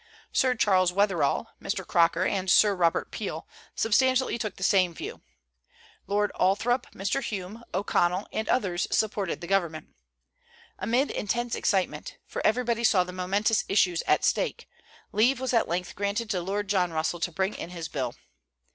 Sir Charles Wetherell, Mr. Croker, and Sir Robert Peel, substantially took the same view; Lord Althorp, Mr. Hume, O'Connell, and others supported the government. Amid intense excitement, for everybody saw the momentous issues at stake, leave was at length granted to Lord John Russell to bring in his bill.